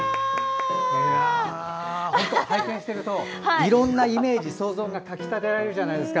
本当、拝見しているといろいろなイメージ想像がかき立てられるじゃないですか。